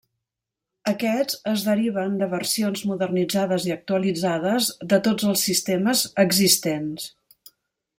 Aquests es deriven de versions modernitzades i actualitzades de tots els sistemes existents.